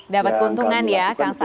dapat keuntungan ya kang saan